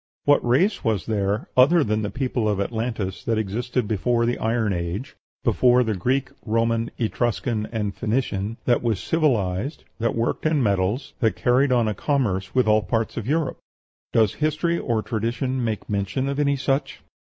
What race was there, other than the people of Atlantis, that existed before the Iron Age before the Greek, Roman, Etruscan, and Phoenician that was civilized, that worked in metals, that carried on a commerce with all parts of Europe? Does history or tradition make mention of any such?